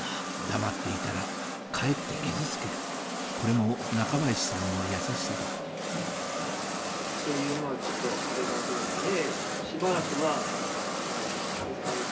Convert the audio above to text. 黙っていたらかえって傷つけるこれも中林さんの優しさだそういうまぁちょっとあれがあるんでちょっと。